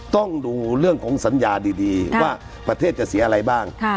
ต้องดูเรื่องของสัญญาดีว่าประเทศจะเสียอะไรบ้าง